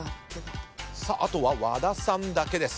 あとは和田さんだけです。